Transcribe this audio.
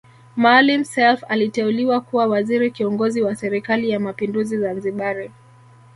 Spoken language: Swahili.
Maalim Self aliteuliwa kuwa waziri kiongozi wa serikali ya mapinduzi Zanzibari